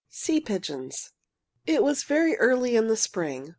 SEA PIGEONS It was very early in the spring.